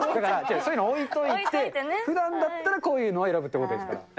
そういうの置いといて、ふだんだったらこういうのを選ぶっていうことですからね。